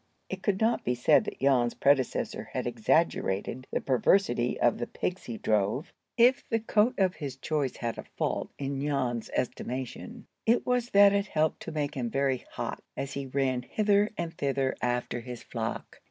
It could not be said that Jan's predecessor had exaggerated the perversity of the pigs he drove. If the coat of his choice had a fault in Jan's estimation, it was that it helped to make him very hot as he ran hither and thither after his flock.